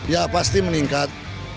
ya pasti meningkat